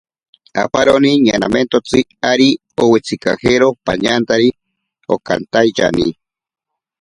Aparoni ñanamentotsi ari owitsikajero pañantari onkantaityani.